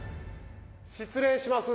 失礼します